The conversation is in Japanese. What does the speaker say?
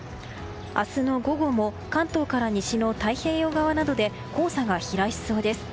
明日の午後も関東から西の太平洋側などで黄砂が飛来しそうです。